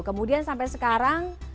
kemudian sampai sekarang